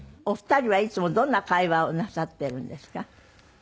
お二人はいつもどんな会話をなさってるんですか？